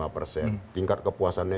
lima puluh lima persen tingkat kepuasannya